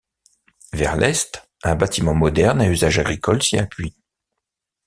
Vers l'est, un bâtiment moderne à usage agricole s'y appuie.